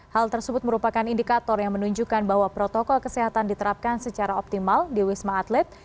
hal tersebut merupakan indikator yang menunjukkan bahwa protokol kesehatan diterapkan secara optimal di wisma atlet